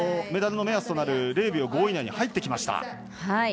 メダルの目安となる０秒５以内に入ってきました。